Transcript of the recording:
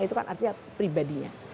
itu kan artinya pribadinya